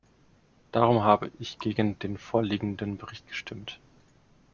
Darum habe ich gegen den vorliegenden Bericht gestimmt.